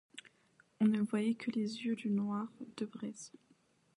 On ne voyait que les yeux du noir, deux braises.